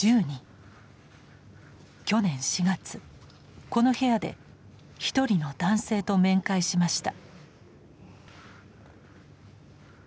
去年４月この部屋で一人の男性と面会しました。